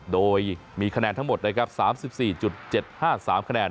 โดยมีคะแนนทั้งหมด๓๔๗๕๓คะแนน